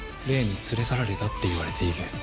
霊に連れ去られたって言われている。